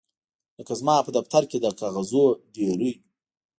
لکه زما په دفتر کې د کاغذونو ډیرۍ